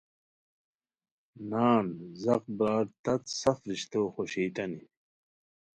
نان، زاق برار، تت سف رشتوخوشئیتانی